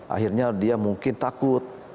akhirnya dia mungkin takut